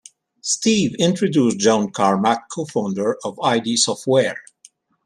Steve introduced John Carmack, Co-Founder of Id Software.